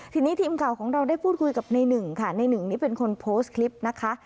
ทีนี้ทีมข่าวของเราได้พูดคุยกับในหนึ่งค่ะในหนึ่งนี่เป็นคนโพสต์คลิปนะคะ